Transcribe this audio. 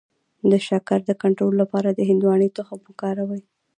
د شکر د کنټرول لپاره د هندواڼې تخم وکاروئ